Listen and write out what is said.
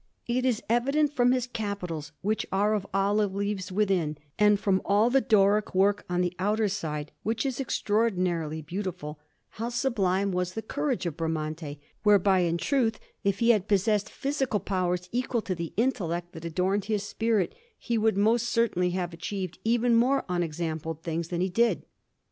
It is evident from his capitals, which are of olive leaves within, and from all the Doric work on the outer side, which is extraordinarily beautiful, how sublime was the courage of Bramante, whereby, in truth, if he had possessed physical powers equal to the intellect that adorned his spirit, he would most certainly have achieved even more unexampled things than he did.